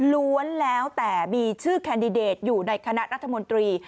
ล้วนแล้วแต่มีชื่อแคนดิเดตอยู่ในคณะรัฐมนตรี